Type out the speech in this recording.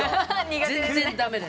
全然ダメです。